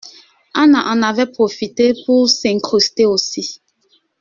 Anna en avait profité pour s’incruster aussi.